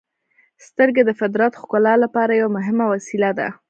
• سترګې د فطرت ښکلا لپاره یوه مهمه وسیله ده.